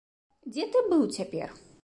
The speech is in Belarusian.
Дзе ты быў цяпер?